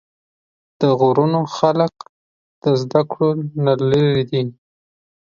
د غرونو خلق د زدکړو نه لرې دي